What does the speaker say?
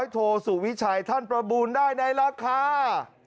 โทสุวิชัยท่านประบูลได้ในราคา